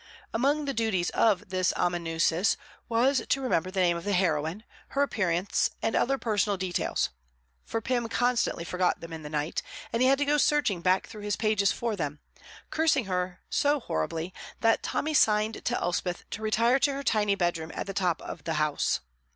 Among the duties of this amanuensis was to remember the name of the heroine, her appearance, and other personal details; for Pym constantly forgot them in the night, and he had to go searching back through his pages for them, cursing her so horribly that Tommy signed to Elspeth to retire to her tiny bedroom at the top of the house.